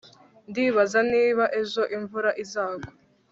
ndibaza niba ejo imvura izagwa